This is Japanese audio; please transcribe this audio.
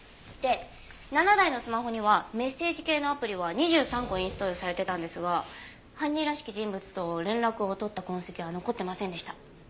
で７台のスマホにはメッセージ系のアプリは２３個インストールされてたんですが犯人らしき人物と連絡を取った痕跡は残ってませんでした。